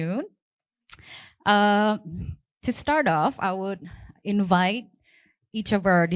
untuk menjelaskan lebih lanjut tanpa lupa